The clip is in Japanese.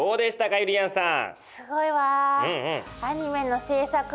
ゆりやんさん！